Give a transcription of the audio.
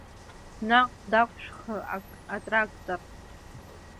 Наҟ дақәшәх атрактор!